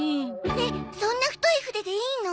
ねえそんな太い筆でいいの？